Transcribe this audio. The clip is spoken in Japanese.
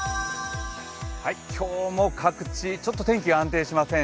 今日も各地、ちょっと天気が安定しません。